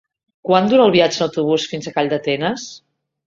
Quant dura el viatge en autobús fins a Calldetenes?